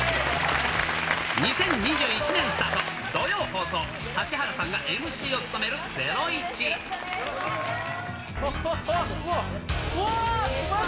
２０２１年スタート、土曜放送、指原さんがＭＣを務めるゼロあっあっあっ、うわっ。